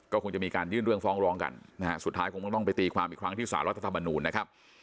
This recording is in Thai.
ก็คงจะมีการยื่นเรื่องฟ้องร้องกันนะฮะสุดท้ายคงต้องไปตีความอีกครั้งที่สารรัฐธรรมนูลนะครับ